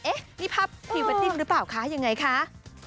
เอ๊ะนี่ภาพหิวไปติ้นหรือเปล่าคะอย่างไรคะ